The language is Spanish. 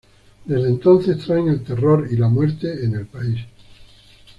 Desde entonces traen el terror y la muerte en el país.